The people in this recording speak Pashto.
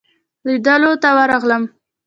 لیدلو ته ورغلم.